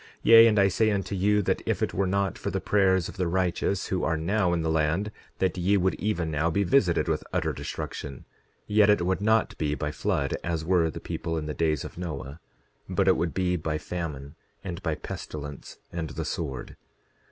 10:22 Yea, and I say unto you that if it were not for the prayers of the righteous, who are now in the land, that ye would even now be visited with utter destruction; yet it would not be by flood, as were the people in the days of Noah, but it would be by famine, and by pestilence, and the sword.